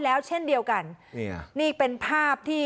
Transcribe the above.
แล้วเช่นเดียวกันนี่เป็นภาพที่